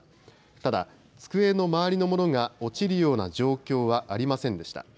ただ机の周りのものが落ちるような状況はありませんでした。